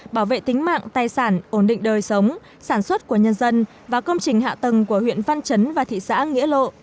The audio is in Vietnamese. bảo vệ tính mạng tài sản ổn định đời sống sản xuất của nhân dân và công trình hạ tầng của huyện văn chấn và thị xã nghĩa lộ